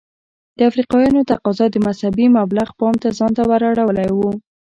د افریقایانو تقاضا د مذهبي مبلغ پام ځانته ور اړولی و.